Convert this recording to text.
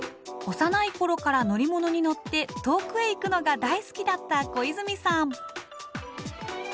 幼いころから乗り物に乗って遠くへ行くのが大好きだった小泉さん。